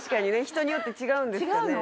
人によって違うんですかね？